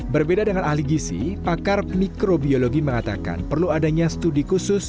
berbeda dengan ahli gisi pakar mikrobiologi mengatakan perlu adanya studi khusus